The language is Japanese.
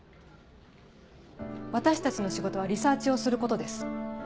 私たちの仕事はリサーチをすることです。